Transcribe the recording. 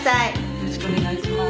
よろしくお願いします。